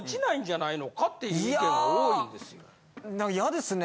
嫌ですね